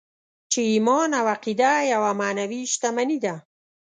چې ايمان او عقیده يوه معنوي شتمني ده.